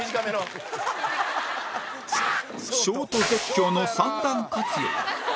ショート絶叫の三段活用